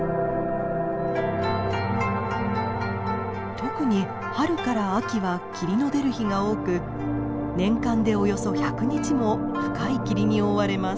特に春から秋は霧の出る日が多く年間でおよそ１００日も深い霧に覆われます。